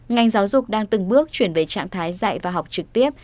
ngành giáo dục đang từng bước chuyển về trạng thái dạy và học trực tiếp